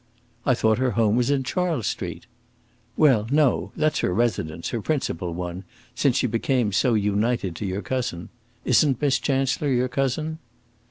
"I thought her home was in Charles Street?" "Well, no; that's her residence her principal one since she became so united to your cousin. Isn't Miss Chancellor your cousin?"